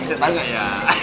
oh bisa tau gak ya